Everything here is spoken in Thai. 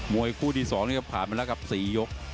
มวยคู่ที่๒ผ่านไปแล้วครับ๔ยก